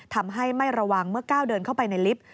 ทำให้ไม่ระวังเมื่อก้าวเดินเข้าไปในลิฟต์